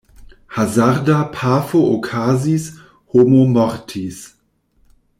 Hazarda pafo okazis, homo mortis.